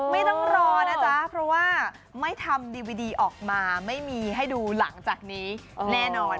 ไม่ต้องรอนะจ๊ะเพราะว่าไม่ทำดีวิดีออกมาไม่มีให้ดูหลังจากนี้แน่นอน